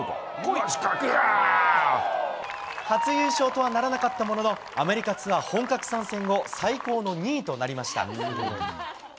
初優勝とはならなかったものの、アメリカツアー本格参戦後、最高の２位となりました。